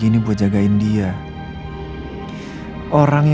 hai bahasa indonesia